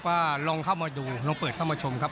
ว่าลองเข้ามาดูลองเปิดเข้ามาชมครับ